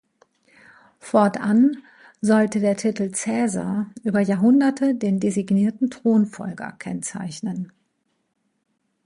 Fortan sollte der Titel "Caesar" über Jahrhunderte den designierten Thronfolger kennzeichnen.